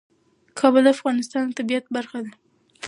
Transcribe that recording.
کابل د افغانستان د طبیعت برخه ده.